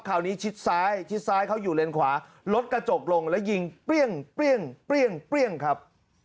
คราวนี้ชิดซ้ายชิดซ้ายเขาอยู่เลนส์ขวารถกระจกลงแล้วยิงเปรี้ยงเปรี้ยงเปรี้ยงเปรี้ยงครับ